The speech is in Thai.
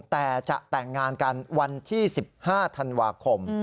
แต่จะแต่งงานกันวันที่๑๕ธันวาคม